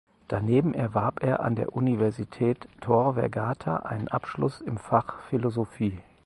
Daneben erwarb er an der Universität Tor Vergata einen Abschluss im Fach Philosophie.